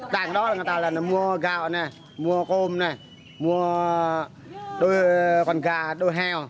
tại đó người ta là mua gạo này mua cơm này mua đôi quần gà đôi heo